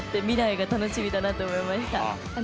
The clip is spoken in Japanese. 未来が楽しみだなと思いました。